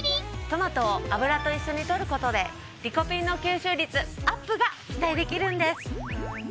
トマトを油と一緒にとることでリコピンの吸収率アップが期待できるんです。